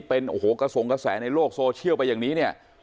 เป็นโอ้โหกระสงกระแสในโลกโซเชียลไปอย่างนี้เนี่ย